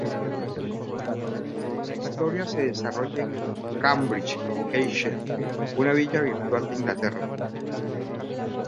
La historia se desarrolla en Cambridgeshire, una villa rural de Inglaterra.